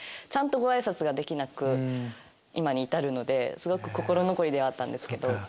ちゃんとご挨拶ができなく今に至るのですごく心残りではあったんですけど。